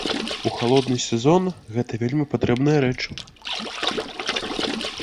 У халодны сезон гэта вельмі патрэбная рэч.